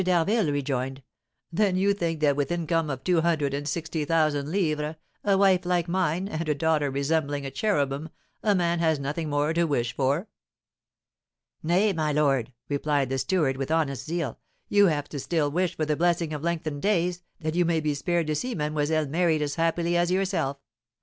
d'Harville rejoined: "Then you think that with an income of two hundred and sixty thousand livres, a wife like mine, and a daughter resembling a cherubim, a man has nothing more to wish for?" "Nay, my lord," replied the steward, with honest zeal, "you have still to wish for the blessing of lengthened days, that you may be spared to see mademoiselle married as happily as yourself.